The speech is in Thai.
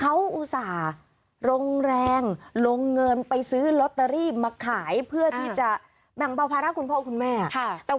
เขาอุตส่าห์ลงแรงลงเงินไปซื้อลอตเตอรี่มาขายเพื่อที่จะแบ่งเบาภาระคุณพ่อคุณแม่